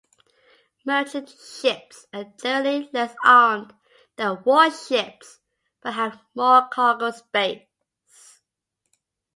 Merchant ships are generally less armed than warships, but have more cargo space.